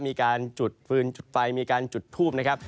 มีการจุดฟืนจุดไฟมีการจุดทูบนะครับ